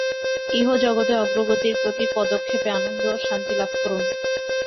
ইহজগতে অগ্রগতির প্রতি পদক্ষেপে আনন্দ ও শান্তি লাভ করুন।